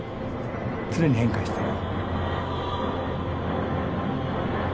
常に変化してる。